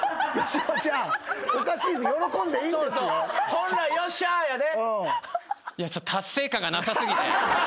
本来「よっしゃ」やで。